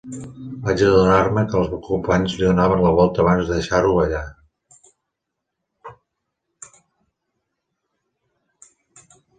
Vaig adonar-me que els ocupants li donaven la volta abans de deixar-ho allà.